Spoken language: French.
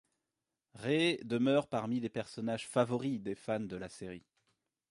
Ray demeure parmi les personnages favoris des fans de la série.